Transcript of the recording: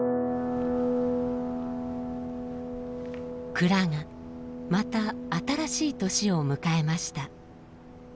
蔵がまた新しい年を迎えました。